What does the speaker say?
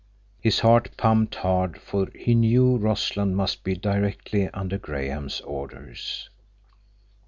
His heart pumped hard, for he knew Rossland must be directly under Graham's orders.